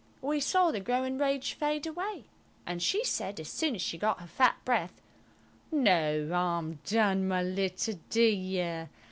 We saw the growing rage fade away, and she said, as soon as she got her fat breath– "No 'arm done, my little dear.